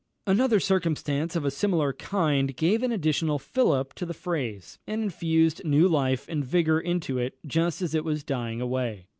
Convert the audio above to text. Another circumstance of a similar kind gave an additional fillip to the phrase, and infused new life and vigour into it just as it was dying away.